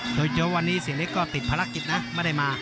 โจ๊กวันนี้เสียเล็กก็ติดภารกิจนะไม่ได้มา